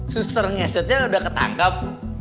suster ngesotnya udah ketangkep